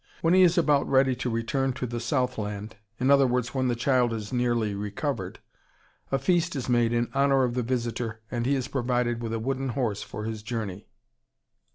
When he is about ready to return to the south land, i.e., when the child has nearly recovered, a feast is made in honor of the visitor and he is provided with a wooden horse for his journey.